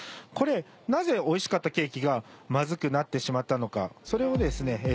これなぜおいしかったケーキがマズくなってしまったのかそれをですね